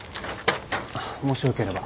もしよければ。